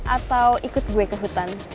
atau ikut gue ke hutan